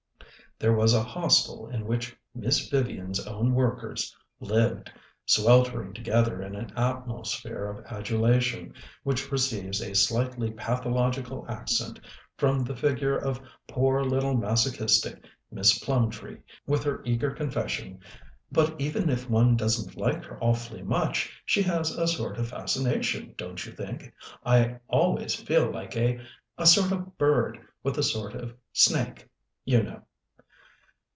There was a Hostel in which "Miss Vivian's own work ers" lived, sweltering together in an atmosphere of adulation, which receives a slightly pathological accent from the figure of poor little masochistic Miss Plumtree with her eager confession: "But even if one doesn't like her awfully much, she has a sort of fascination, don't you think? J always feel like a ŌĆö a sort of bird with a. sort of snake, you know."